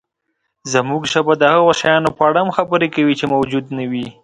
زموږ ژبه د هغو شیانو په اړه هم خبرې کوي، چې موجود نهدي.